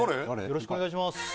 よろしくお願いします。